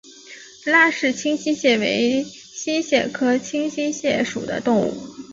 拉氏清溪蟹为溪蟹科清溪蟹属的动物。